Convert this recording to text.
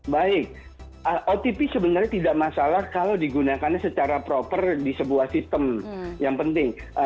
baik otp sebenarnya tidak masalah kalau digunakannya secara proper di sebuah sistem yang penting